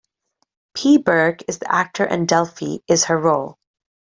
P. Burke is the actor and Delphi is her role.